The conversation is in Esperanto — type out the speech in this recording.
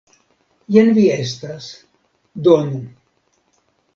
Jen vi estas; donu!